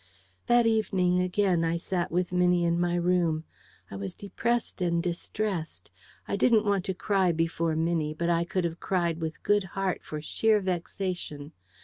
That evening again, I sat with Minnie in my room. I was depressed and distressed. I didn't want to cry before Minnie, but I could have cried with good heart for sheer vexation.